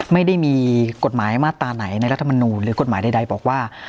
ไม่ได้มีกฎหมายมาตราไหนในรัฐมนูลหรือกฎหมายใดบอกว่า